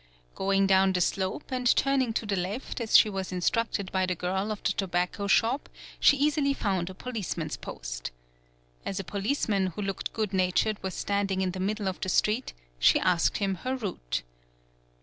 Going down the slope and turning to the left as she was instructed by the girl of the tobacco shop she easily found a policeman's post. As a policeman who looked good natured was standing in the middle of the street, she asked him her route.